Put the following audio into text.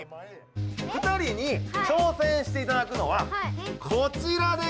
２人に挑戦していただくのはこちらでございます。